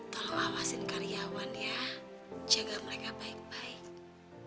tolong awasin karyawan ya jaga mereka baik baik